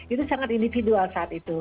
itu sangat individual saat itu